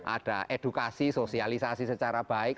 ada edukasi sosialisasi secara baik